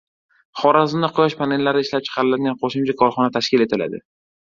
Xorazmda quyosh panellari ishlab chiqaradigan qo‘shma korxona tashkil etiladi